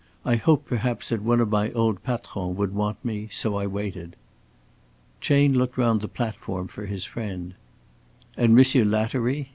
I hoped perhaps that one of my old patrons would want me. So I waited." Chayne looked round the platform for his friend. "And Monsieur Lattery?"